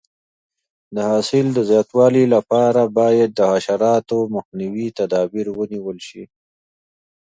د حاصل د زیاتوالي لپاره باید د حشراتو مخنیوي تدابیر ونیول شي.